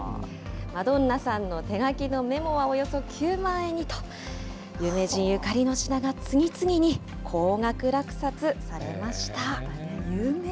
マドンナさんの手書きのメモはおよそ９万円にと、有名人ゆかりの品が次々に高額落札されました。